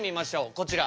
こちら。